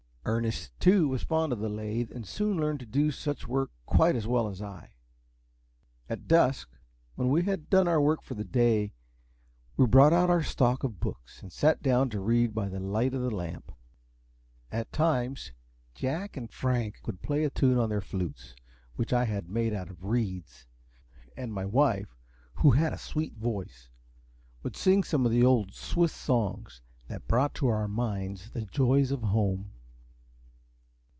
Ernest, too, was fond of the lathe, and soon learned to do such work quite as well as I. At dusk, when we had done our work for the day, we brought out our stock of books, and sat down to read by the light of a lamp. At times, Jack and Prank would play a tune on their flutes, which I had made out of reeds; and my wife, who had a sweet voice, would sing some of the old Swiss songs, that brought to our minds the joys of home.